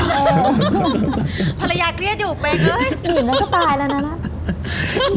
ภรรยาเครียดอยู่แป๊ก